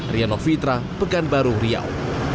riano fitra pegan baru riau